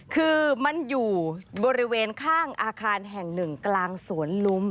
คือมันอยู่บริเวณข้างอาคารแห่งหนึ่งกลางสวนลุม